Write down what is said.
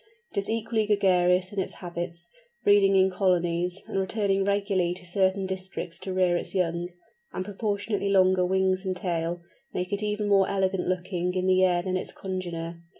It is equally gregarious in its habits, breeding in colonies, and returning regularly to certain districts to rear its young. Its slenderer form, and proportionately longer wings and tail, make it even more elegant looking in the air than its congener.